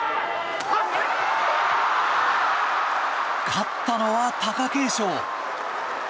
勝ったのは貴景勝。